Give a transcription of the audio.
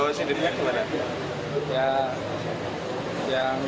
oh sindirnya gimana